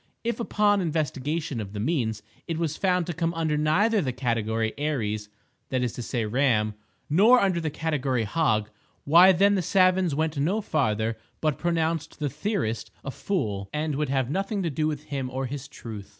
If, upon investigation of the means, it was found to come under neither the category Aries (that is to say Ram) nor under the category Hog, why then the savans went no farther, but pronounced the "theorist" a fool, and would have nothing to do with him or his truth.